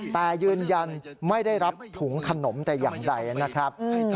แต่ยืนยันไม่ได้รับถุงขนมแต่อย่างใดนะครับ